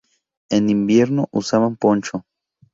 En invierno usaban poncho.